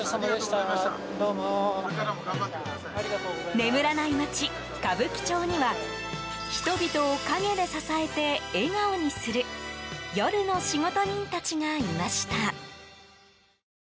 眠らない街・歌舞伎町には人々を陰で支えて笑顔にする夜の仕事人たちがいました。